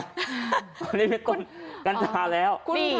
อันนี้เป็นต้นกัญชาแล้ว